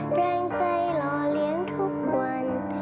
แรงใจรอเลี้ยงทุกวัน